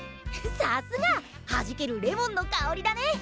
さすが「はじけるレモンの香り」だね！